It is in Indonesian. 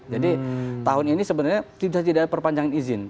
jadi tahun ini sebenarnya tidak didapat perpanjangan izin